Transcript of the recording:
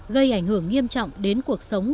gây ảnh hưởng nghiêm trọng đến cuộc sống